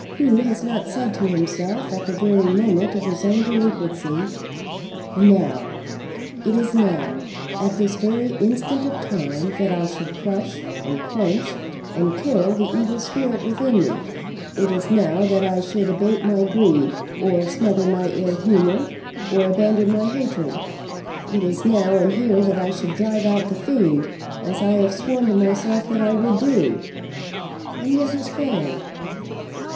Who has not said to himself at the very moment of his own delinquency, "Now, it is now, at this very instant of time, that I should crush, and quench, and kill the evil spirit within me; it is now that I should abate my greed, or smother my ill humour, or abandon my hatred. It is now, and here, that I should drive out the fiend, as I have sworn to myself that I would do," and yet has failed?